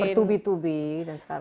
bertubi tubi dan sekarang